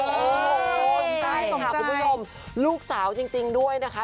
สนใจค่ะคุณผู้ชมลูกสาวจริงด้วยนะคะ